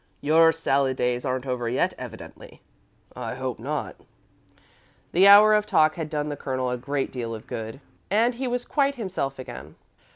"Your salad days aren't over yet, evidently." "I hope not." The hour of talk had done the Colonel a great deal of good, and he was quite himself again.